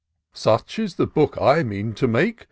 Such is the book I mean to make.